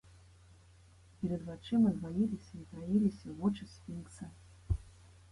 Перад вачыма дваіліся і траіліся вочы сфінкса.